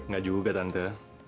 gak juga tante